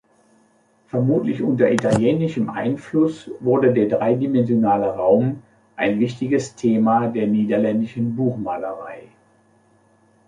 Vermutlich unter italienischem Einfluss wurde der dreidimensionale Raum ein wichtiges Thema der niederländischen Buchmalerei.